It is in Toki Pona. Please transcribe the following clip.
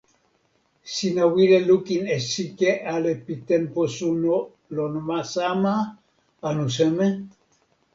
sina wile lukin e sike ale pi tenpo suno lon ma sama anu seme?